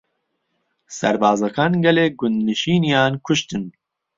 سەربازەکان گەلێک گوندنشینیان کوشتن.